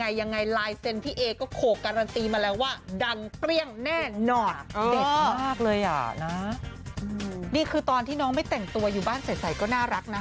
นี่คือตอนที่น้องไม่แต่งตัวอยู่บ้านใสก็น่ารักนะ